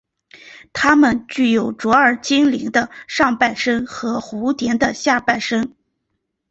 他们具有卓尔精灵的上半身和蜘蛛的下半身。